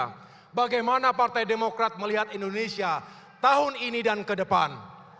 bagaimana partai demokrat melihat indonesia tahun ini dan ke depan